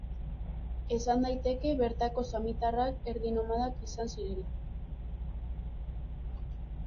Esan daiteke bertako samitarrak erdi nomadak izan zirela.